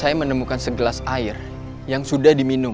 dan saya menemukan segelas air yang sudah diminum